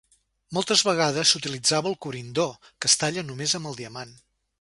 Moltes vegades s'utilitzava el corindó, que es talla només amb el diamant.